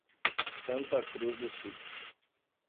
Santa Cruz do Sul